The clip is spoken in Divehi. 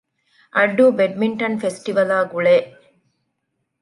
އައްޑޫ ބެޑްމިންޓަން ފެސްޓިވަލާގުޅޭ